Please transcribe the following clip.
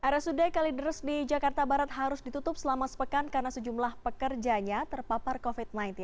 rsud kalidres di jakarta barat harus ditutup selama sepekan karena sejumlah pekerjanya terpapar covid sembilan belas